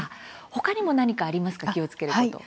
ほかにもなにかありますか気をつけること。